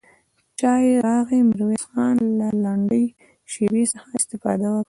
چای راغی، ميرويس خان له لنډې شيبې څخه استفاده وکړه.